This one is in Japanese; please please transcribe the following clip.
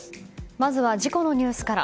まずは事故のニュースから。